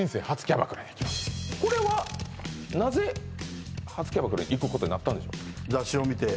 これはなぜ初キャバクラ行くことになったんでしょうか？